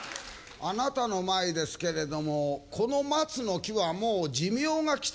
あなたの前ですけれどもこの松の木はもう寿命が来てますな。